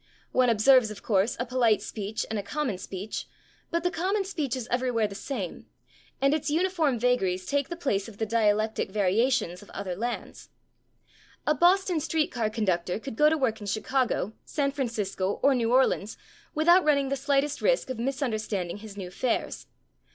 One observes, of course, a polite speech and a common speech, but the common speech is everywhere the same, and its uniform vagaries take the place of the dialectic variations of other lands. A Boston street car conductor could go to work in Chicago, San Francisco or New Orleans without running the slightest risk of misunderstanding his new fares.